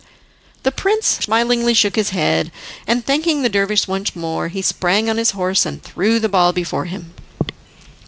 The prince smilingly shook his head, and thanking the dervish once more, he sprang on his horse and threw the ball before him.